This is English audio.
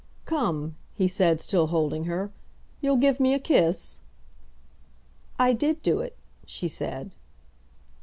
"Come," he said, still holding her; "you'll give me a kiss?" "I did do it," she said.